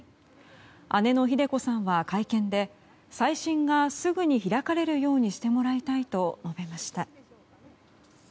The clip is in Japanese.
姉のひで子さんは会見で再審がすぐに開かれるようにしてもらいたいと述べました。